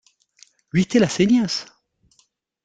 ¿Viste las señas?